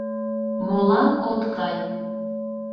Молан от кай?